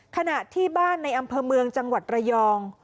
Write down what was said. ขณะที่บ้านในอำเภอเมืองจังหวัดระยอง